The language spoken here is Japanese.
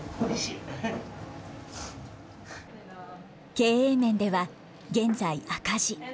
経営面では現在赤字。